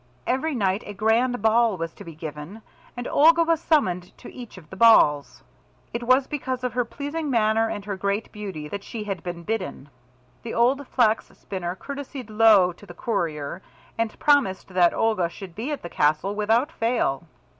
Every night a grand ball was to be given, and Olga was summoned to each of the balls. It was because of her pleasing manner and her great beauty that she had been bidden. The old Flax spinner courtesied low to the courier and promised that Olga should be at the castle without fail.